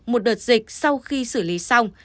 một đợt dịch sau khi xử lý xong